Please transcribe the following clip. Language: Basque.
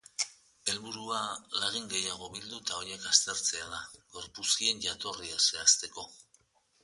Helburua lagin gehiago bildu eta horiek aztertzea da, gorpuzkien jatorria zehazteko.